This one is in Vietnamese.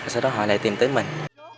sau đó họ lại tìm tới mình